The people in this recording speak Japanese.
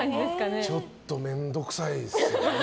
それはちょっと面倒くさいですね。